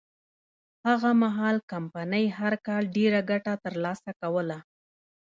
هغه مهال کمپنۍ هر کال ډېره ګټه ترلاسه کوله.